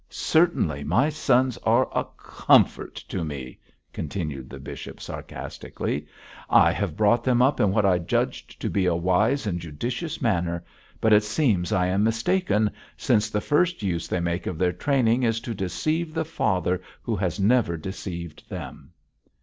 'Certainly, my sons are a comfort to me!' continued the bishop, sarcastically. 'I have brought them up in what I judged to be a wise and judicious manner, but it seems I am mistaken, since the first use they make of their training is to deceive the father who has never deceived them.'